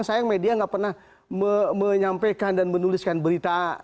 sayang media nggak pernah menyampaikan dan menuliskan berita